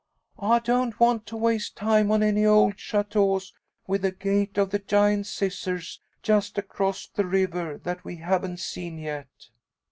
"I don't want to waste time on any old châteaux with the Gate of the Giant Scissors just across the river, that we haven't seen yet."